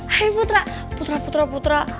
hai putra putra putra putra